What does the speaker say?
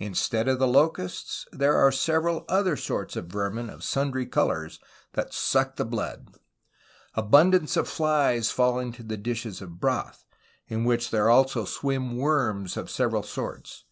Instead of the locusts, there are several other sorts of vermin of sundry colours, that suck the blood. Abundance of flies fall into the dishes of broth, in which there also THE MANILA GALLEON 93 swim worms of several sorts.